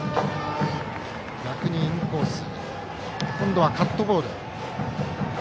インコース今度はカットボール。